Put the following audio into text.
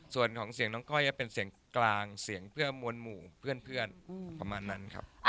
ส่วนของเสียงน้องก้อยจะเป็นเสียงกลางเสียงเพื่อมวลหมู่เพื่อนประมาณนั้นครับ